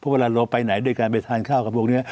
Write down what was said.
เวลาเราไปไหนด้วยการไปทานข้าวกับพวกนี้